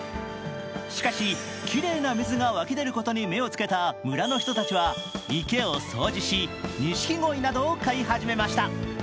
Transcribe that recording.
しかし、きれいな水が湧き出ることに目を付けた村の人たちは池を掃除し、にしきごいなどを飼い始めました。